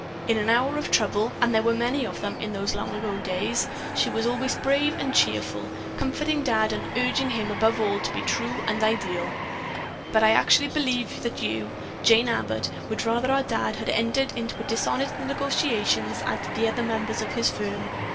In an hour of trouble (and there were many of them in those long ago days) she was always brave and cheerful, comforting Dad and urging him above all to be true to an ideal. But I actually believe that you, Jane Abbott, would rather our Dad had entered into dishonest negotiations as did the other members of his firm."